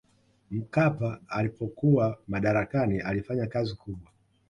mkapa alipokuwa madarakani alifanya kazi kubwa